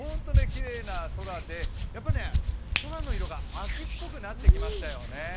きれいな空で空の色が秋っぽくなってきましたよね。